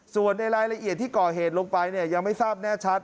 ส่วนในรายละเอียดที่ก่อเหตุลงไปยังไม่ทราบแน่ชัด